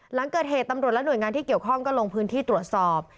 หลังเกิดเหตุตำรวจและหน่วยงานที่เกี่ยวข้องก็ลงพื้นที่ตรวจสอบ